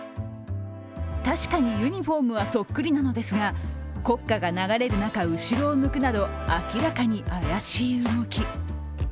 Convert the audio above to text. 確かにユニフォームはそっくりなのですが国歌が流れる中、後ろを向くなど明らかに怪しい動き。